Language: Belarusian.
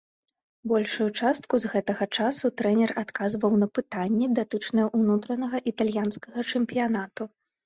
Большую частку з гэтага часу трэнер адказваў на пытанні, датычныя унутранага італьянскага чэмпіянату.